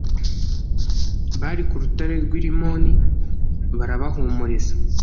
bari ku rutare rw'i rimoni, barabahumuriza